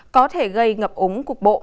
có thể gây ngập ống